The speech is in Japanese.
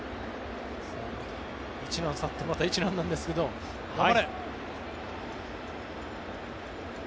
一難去ってまた一難なんですけど、頑張れ！